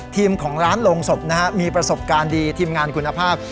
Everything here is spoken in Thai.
ของร้านโรงศพนะฮะมีประสบการณ์ดีทีมงานคุณภาพ